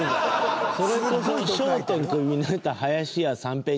それこそ「笑点」